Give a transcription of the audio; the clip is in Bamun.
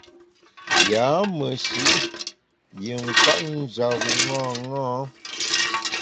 Yâ meshi’ yin kwet njap bu ṅaṅâ.